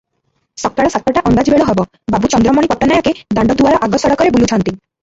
ସକାଳ ସାତଟା ଅନ୍ଦାଜ ବେଳ ହେବ, ବାବୁ ଚନ୍ଦ୍ରମଣି ପଟ୍ଟାନାୟକେ ଦାଣ୍ଡଦୁଆର ଆଗ ସଡ଼କରେ ବୁଲୁଛନ୍ତି ।